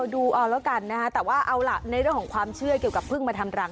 ดูเอาแล้วกันนะคะแต่ว่าเอาล่ะในเรื่องของความเชื่อเกี่ยวกับพึ่งมาทำรัง